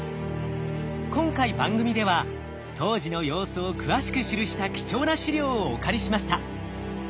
今回番組では当時の様子を詳しく記した貴重な資料をお借りしました。